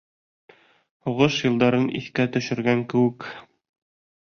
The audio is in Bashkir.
Һуғыш йылдарын иҫкә төшөргән кеүек.